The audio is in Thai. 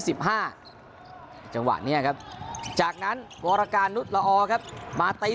จังหวะนี้ครับจากนั้นวรการนุษย์ละออครับมาตี